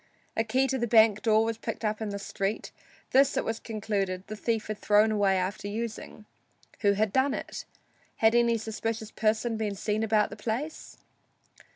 A key to the bank door was picked up in the street; this, it was concluded, the thief had thrown away after using. Who had done it? Had any suspicious person been seen about the place?